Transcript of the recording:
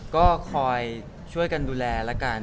ก็คอยช่วยกันดูแลแล้วกัน